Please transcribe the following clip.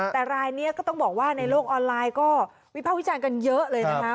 แต่รายนี้ก็ต้องบอกว่าในโลกออนไลน์ก็วิภาควิจารณ์กันเยอะเลยนะคะ